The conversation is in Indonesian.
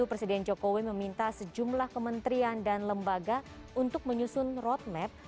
presiden jokowi meminta sejumlah kementerian dan lembaga untuk menyusun roadmap